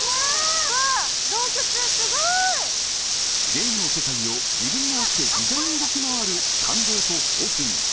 ゲームの世界を自分の足で自在に動き回る感動と興奮。